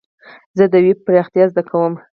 زه د ويب پراختيا زده کوم.